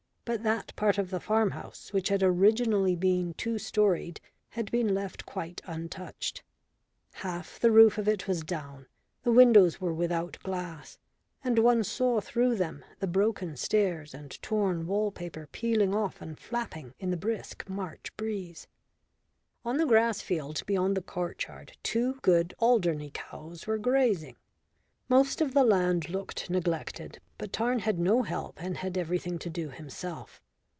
But that part of the farm house which had originally been two storied had been left quite untouched. Half the roof of it was down, the windows were without glass, and one saw through them the broken stairs and torn wall paper peeling off and flapping in the brisk March breeze. On the grass field beyond the court yard two good Alderney cows were grazing. Most of the land looked neglected; but Tarn had no help and had everything to do himself.